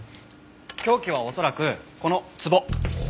凶器は恐らくこの壺。